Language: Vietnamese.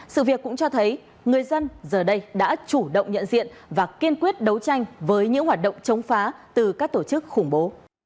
sự việc cũng cho thấy người dân giờ đây đã chủ động nhận diện và kiên quyết đấu tranh với những hoạt động chống phá từ các tổ chức khủng bố